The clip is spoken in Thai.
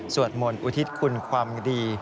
สวดหมลอุทิศคุณความดี